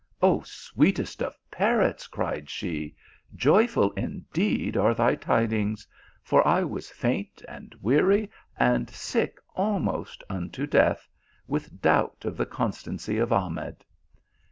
"O sweetest of parrots," cried she, "joyful indeed are thy tidings ; for I was faint, and weary, and sick almost unto death, with doubt of the con stancy of Ahmed.